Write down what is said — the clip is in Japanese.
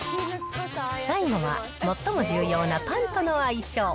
最後は、最も重要なパンとの相性。